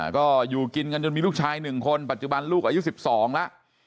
ก็อยู่กินกันจนมีลูกชาย๑คนปัจจุบันลูกอายุ๑๒แล้ว